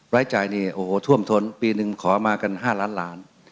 รายจ่ายนี่โอ้โหท่วมทนปีหนึ่งขอมากัน๕ล้านล้าน